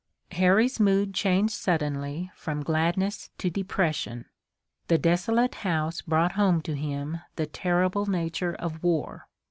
Harry's mood changed suddenly from gladness to depression. The desolate house brought home to him the terrible nature of war.